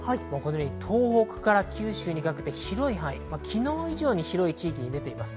東北から九州にかけて広い範囲、昨日以上に広い地域に出ています。